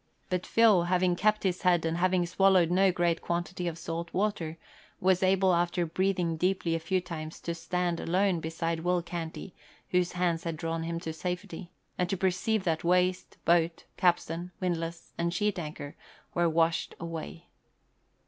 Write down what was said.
But Phil, having kept his head and having swallowed no great quantity of salt water, was able after breathing deeply a few times to stand alone beside Will Canty whose hands had drawn him to safety, and to perceive that waist, boat, capstan, windlass and sheet anchor were washed away.